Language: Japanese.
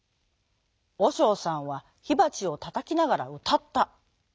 おしょうさんはひばちをたたきながらうたった。